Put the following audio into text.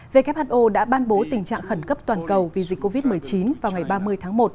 who đã ban bố tình trạng khẩn cấp toàn cầu vì dịch covid một mươi chín vào ngày ba mươi tháng một